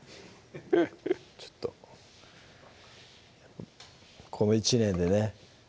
ちょっとこの１年でね